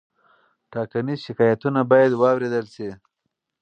ټاکنیز شکایتونه باید واوریدل شي.